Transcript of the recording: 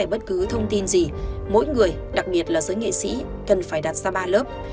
bất cứ thông tin gì mỗi người đặc biệt là giới nghệ sĩ cần phải đặt ra ba lớp